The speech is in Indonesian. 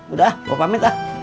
udah ah gue pamit lah